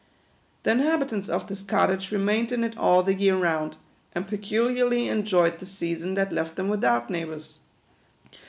The inhabitants of this cottage remained in it all * 6 62 THE QUADROONS. the year round, and peculiarly enjoyed the season that left them without neighbours.